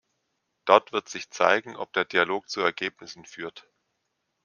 Dort wird sich zeigen, ob der Dialog zu Ergebnissen führt.